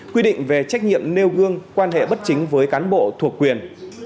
quy định về trách nhiệm nêu gương quan hệ bất chính với cán bộ thuộc quyền